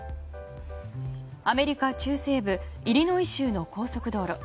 アメリカ中西部イリノイ州の高速道路。